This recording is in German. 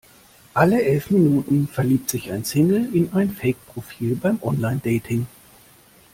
Alle elf Minuten verliebt sich ein Single in ein Fake-Profil beim Online-Dating.